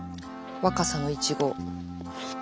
若桜のイチゴ。